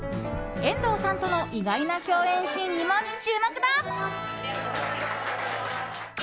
遠藤さんとの意外な共演シーンにも注目だ。